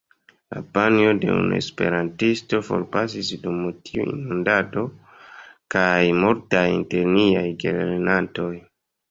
La panjo de unu esperantisto forpasis dum tiu inundado, kaj multaj inter niaj gelernantoj.